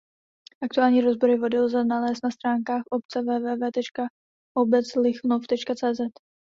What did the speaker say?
Aktuální rozbory vody lze nalézt na stránkách obce www.obeclichnov.cz.